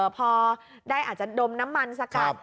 พอได้อาจจะดมน้ำมันสกัด